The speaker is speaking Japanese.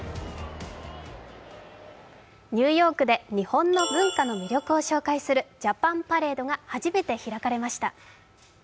ニューヨークで日本の文化の魅力を紹介するジャパン・パレードが初めて開かれました。